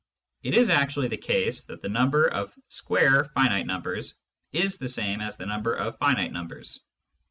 It is actually the case that the number of square (finite) numbers is the same as the number of (finite) numbers.